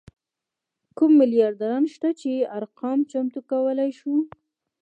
کم میلیاردران شته چې ارقام چمتو کولی شو.